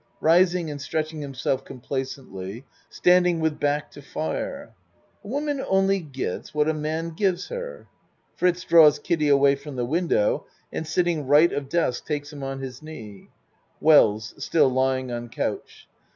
(Rising and stretching himself complacently, standing with back to fire.) A woman only gets what a man gives her. (Fritz draws Kiddie away from the window and sitting R. of desk, takes him on his knee.) WELLS (Still lying on couch.)